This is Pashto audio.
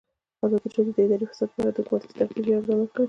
ازادي راډیو د اداري فساد په اړه د حکومتي ستراتیژۍ ارزونه کړې.